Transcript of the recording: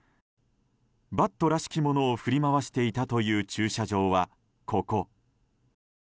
バットらしきものを振り回していたという駐車場はここ。